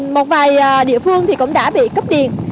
một vài địa phương thì cũng đã bị cấp điện